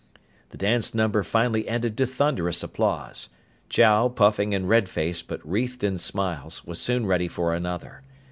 _" The dance number finally ended to thunderous applause. Chow, puffing and red faced but wreathed in smiles, was soon ready for another.